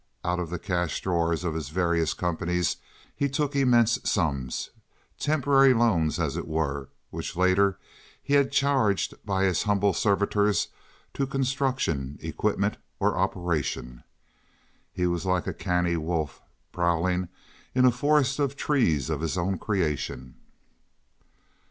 Out of the cash drawers of his various companies he took immense sums, temporary loans, as it were, which later he had charged by his humble servitors to "construction," "equipment," or "operation." He was like a canny wolf prowling in a forest of trees of his own creation.